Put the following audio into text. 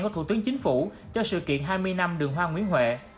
của thủ tướng chính phủ cho sự kiện hai mươi năm đường hoa nguyễn huệ